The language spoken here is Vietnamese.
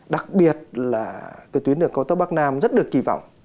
đặc biệt là cái tuyến đường cao tốc bắc nam rất được kỳ vọng